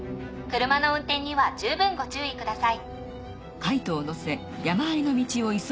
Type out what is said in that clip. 車の運転には十分ご注意ください。